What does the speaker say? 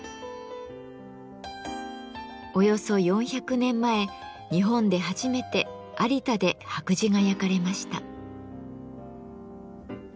およそ４００年前日本で初めて有田で白磁が焼かれました。